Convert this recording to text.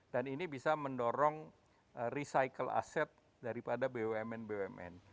dan ini bisa mendorong recycle aset daripada bumn bumn